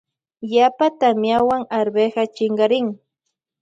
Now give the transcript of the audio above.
Yapa tamiawan arveja chinkarin.